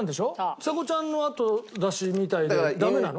ちさ子ちゃんの後出しみたいでダメなの？